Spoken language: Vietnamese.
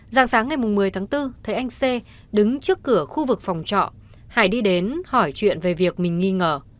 dạng sáng ngày một mươi tháng bốn thấy anh c đứng trước cửa khu vực phòng trọ hải đi đến hỏi chuyện về việc mình nghi ngờ